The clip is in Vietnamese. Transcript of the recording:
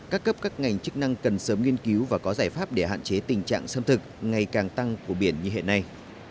các cấp các ngành chức năng cần sớm nghiên cứu và có giải pháp để hạn chế tình trạng xâm thực ngày càng tăng của biển như hiện nay